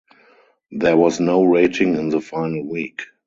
There was no rating in the final week.